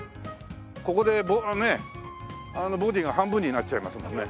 ここでねボディーが半分になっちゃいますもんね。